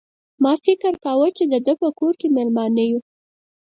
ما فکر کاوه چې د ده په کور کې مېلمانه یو.